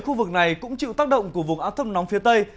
khu vực này cũng chịu tác động của vùng áp thấp nóng phía tây